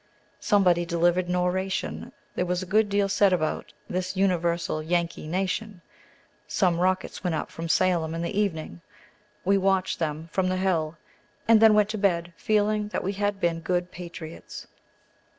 Somebody delivered an oration; there was a good deal said about "this universal Yankee nation"; some rockets went up from Salem in the evening; we watched them from the hill, and then went to bed, feeling that we had been good patriots.